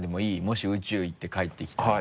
もし宇宙行って帰ってきたら。